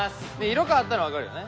色変わったの分かるよね。